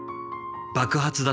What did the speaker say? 「爆発だッ！